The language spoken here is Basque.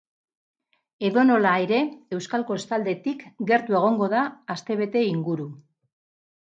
Edonola ere, euskal kostaldetik gertu egongo da astebete inguru.